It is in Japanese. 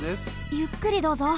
ゆっくりどうぞ。